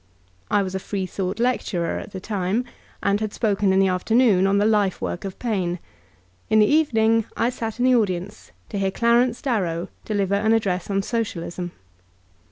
I was a freethought lecturer at this time, and had spoken in the afternoon on the lifework of P^e; in the evening I sat in the audience to hear Clarence Darrow deliver an address on Socialism.